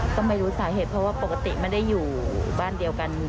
ก็ไม่รู้สาเหตุเพราะว่าปกติไม่ได้อยู่บ้านเดียวกัน